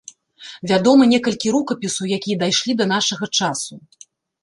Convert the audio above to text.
Вядома некалькі рукапісаў, якія дайшлі да нашага часу.